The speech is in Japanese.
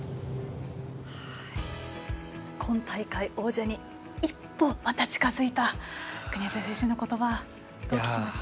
今大会王者に一歩、また近づいた国枝選手のことばをどう聞きました？